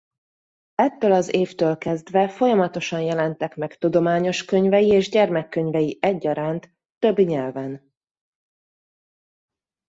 Ettől az évtől kezdve folyamatosan jelentek meg tudományos könyvei és gyermekkönyvei egyaránt több nyelven.